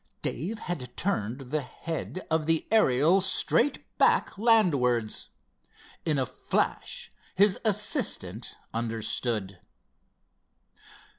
Dave had turned the head of the Ariel straight back landwards. In a flash his assistant understood.